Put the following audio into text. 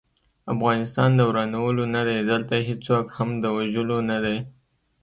افغانستان د ورانولو نه دی، دلته هيڅوک هم د وژلو نه دی